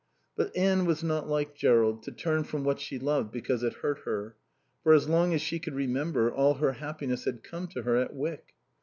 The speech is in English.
But Anne was not like Jerrold, to turn from what she loved because it hurt her. For as long as she could remember all her happiness had come to her at Wyck.